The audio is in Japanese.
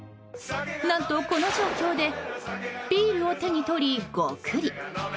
何とこの状況でビールを手に取り、ゴクリ。